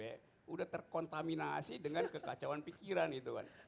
sudah terkontaminasi dengan kekacauan pikiran itu kan